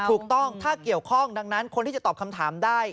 ถูกต้องถ้าเกี่ยวข้องดังนั้นคนที่จะตอบคำถามได้